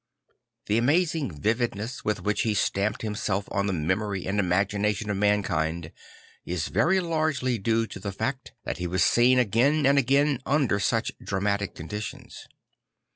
The amazing vividness with which he stamped himself on the memory and imagination of mankind is very largely due to the fact that he \vas seen again and again under such dramatic conditions.